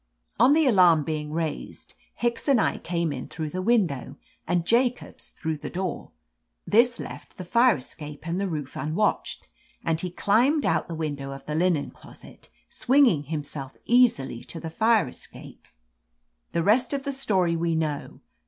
"On the alarm being raised. Hicks and I came in through the window, and Jacobs through the door. This left the fire escape and the roof unwatched, and he climbed out the window of the linen closet, swinging himself easily to the fire escape. "The rest of the story we know.